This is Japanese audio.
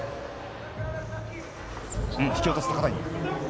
引き落とす高谷。